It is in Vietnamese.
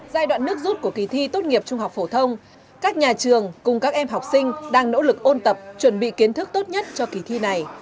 giai đoạn nước rút của kỳ thi tốt nghiệp trung học phổ thông các nhà trường cùng các em học sinh đang nỗ lực ôn tập chuẩn bị kiến thức tốt nhất cho kỳ thi này